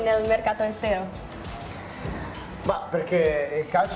dan kemudian membeli klub amerika la sepuluh